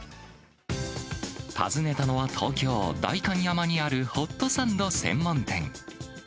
訪ねたのは、東京・代官山にあるホットサンド専門店。